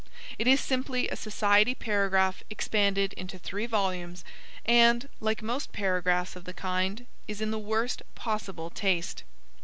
It is simply a society paragraph expanded into three volumes and, like most paragraphs of the kind, is in the worst possible taste.